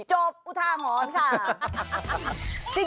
จบอุทาหอนค่ะ